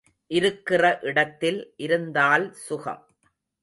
இருக்கிற இடத்தில் இருந்தால் சுகம்.